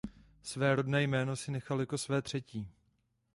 Své rodné jméno si nechal jako své třetí.